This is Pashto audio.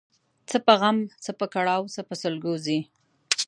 څه په غم ، څه په کړاو څه په سلګو ځي